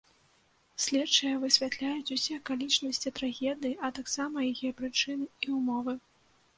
Следчыя высвятляюць усе акалічнасці трагедыі, а таксама яе прычыны і ўмовы.